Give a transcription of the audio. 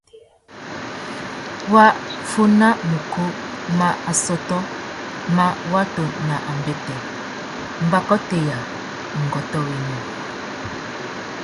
Wa fôna mukú má assôtô má watu nà ambêtê, mbakôtéya, ngôtōénô.